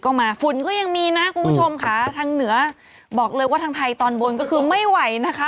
ก็มาฝุ่นก็ยังมีนะคุณผู้ชมค่ะทางเหนือบอกเลยว่าทางไทยตอนบนก็คือไม่ไหวนะคะ